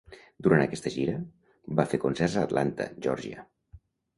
Durant aquesta gira, va fer concerts a Atlanta, Geòrgia.